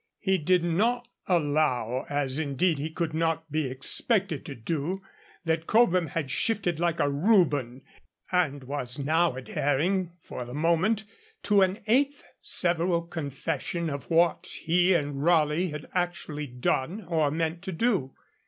He did not allow, as indeed he could not be expected to do, that Cobham had shifted like a Reuben, and was now adhering, for the moment, to an eighth several confession of what he and Raleigh had actually done or meant to do.